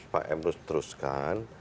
pak emrus teruskan